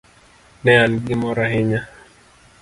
Ne an gi mor ahinya.